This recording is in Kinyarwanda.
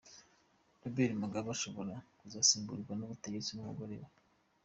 Robert Mugabe ashobora kuzasimburwa ku butegetsi n’umugore we.